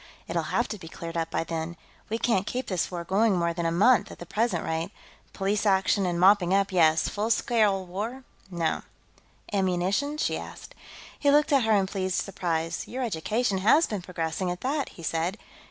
"It'll have to be cleared up by then. We can't keep this war going more than a month, at the present rate. Police action, and mopping up, yes, full scale war, no." "Ammunition?" she asked. He looked at her in pleased surprise. "Your education has been progressing, at that," he said.